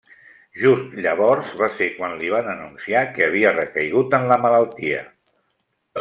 Just llavors va ser quan li van anunciar que havia recaigut en la malaltia.